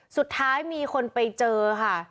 สุดท้ายมีคนไปเจอค่ะ